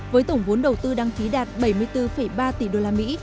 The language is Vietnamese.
với tổng vốn đầu tư đăng ký đạt bảy mươi bốn ba tỷ usd